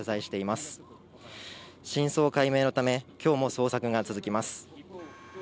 真相解明のため、今日も捜索が続きます。